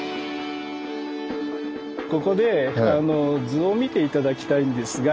ここで図を見て頂きたいんですが。